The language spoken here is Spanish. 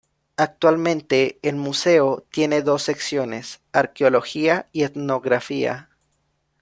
Actualmente el Museo tiene dos secciones: Arqueología y Etnografía.